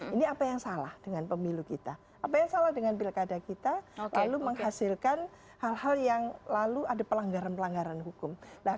ini apa yang salah dengan pemilu kita apa yang salah dengan pilkada kita lalu menghasilkan hal hal yang lalu ada pelanggaran pelanggaran hukum